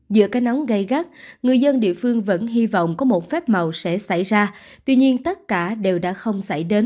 giữa cây nắng gây gắt người dân địa phương vẫn hy vọng có một phép màu sẽ xảy ra tuy nhiên tất cả đều đã không xảy đến